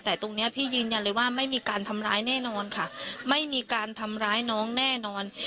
แต่ตรงเนี้ยพี่ยืนยันเลยว่าไม่มีการทำร้ายแน่นอนค่ะไม่มีการทำร้ายน้องแน่นอน